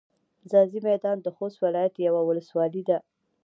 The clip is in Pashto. ځاځي میدان د خوست ولایت یوه ولسوالي ده.